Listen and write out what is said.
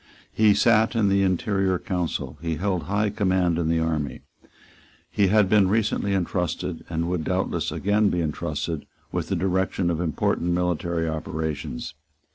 He sate in the interior council; he held high command in the army; he had been recently entrusted, and would doubtless again be entrusted, with the direction of important military operations.